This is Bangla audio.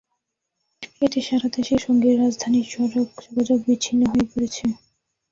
এতে সারা দেশের সঙ্গে রাজধানীর সড়ক যোগাযোগ বিচ্ছিন্ন হয়ে পড়েছে।